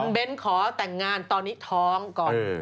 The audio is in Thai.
เบ้นขอแต่งงานตอนนี้ท้องก่อน